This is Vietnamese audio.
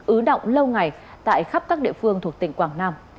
ứ động lâu ngày tại khắp các địa phương thuộc tỉnh quảng nam